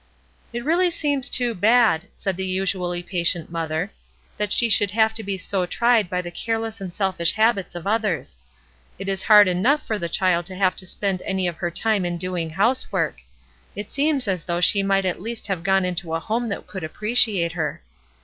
"It really seems too bad," said the usually patient mother, "that she should have to be so tried by the careless and selfish habits of others. It is hard enough for the child to have 86 ESTER RIED'S NAMESAKE to spend any of her time in doing housework; it seems as though she might at least have gone into a home that could appreciate her."